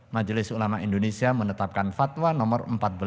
majelis ulama indonesia menetapkan fatwa nomor empat belas